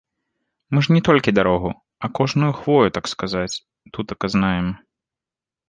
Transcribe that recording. Мы ж не толькі дарогу, а кожную хвою, так сказаць, тутака знаем.